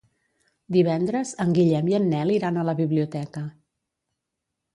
Divendres en Guillem i en Nel iran a la biblioteca.